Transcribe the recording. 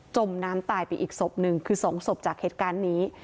มน้ำตายไปอีกศพหนึ่งคือ๒ศพจากเหตุการณ์นี้